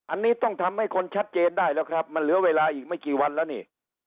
อันนี้ต้องทำให้คนชัดเจนได้แล้วครับมันเหลือเวลาอีกไม่กี่วันแล้วนี่